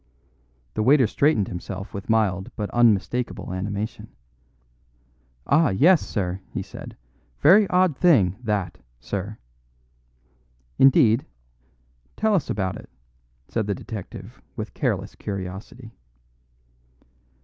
The waiter straightened himself with mild but unmistakable animation. "Ah, yes, sir," he said. "Very odd thing, that, sir." "Indeed?" Tell us about it," said the detective with careless curiosity.